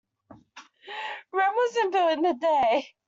Rome wasn't built in a day.